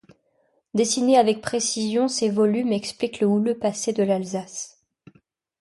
Dessinés avec précision ces volumes expliquent le houleux passé de l'Alsace.